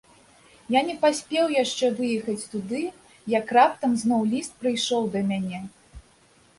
Я не паспеў яшчэ выехаць туды, як раптам зноў ліст прыйшоў да мяне.